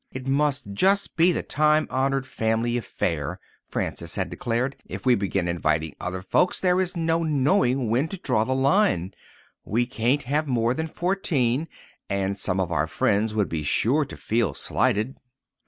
"It must just be the time honoured family affair," Frances had declared. "If we begin inviting other folks, there is no knowing when to draw the line. We can't have more than fourteen, and some of our friends would be sure to feel slighted."